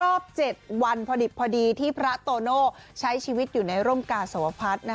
รอบ๗วันพอดิบพอดีที่พระโตโน่ใช้ชีวิตอยู่ในร่มกาสวพัฒน์